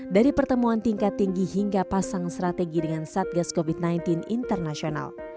dari pertemuan tingkat tinggi hingga pasang strategi dengan satgas covid sembilan belas internasional